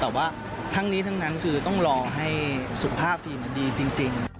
แต่ว่าทั้งนี้ทั้งนั้นคือต้องรอให้สุขภาพฟิล์มันดีจริง